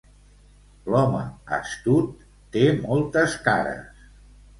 L'home astut té moltes cares.